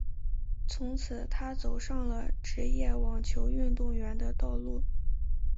从此她走上了职业网球运动员的道路。